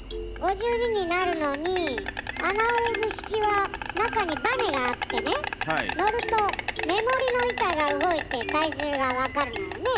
５２になるのにアナログ式は中にバネがあってね乗ると目盛りの板が動いて体重が分かるのよね。